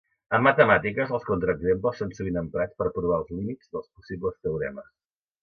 En matemàtiques, els contraexemples són sovint emprats per a provar els límits dels possibles teoremes.